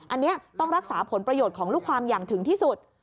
อันนี้ต้องรักษาผลประโยชน์ของลูกความอย่างถึงที่สุด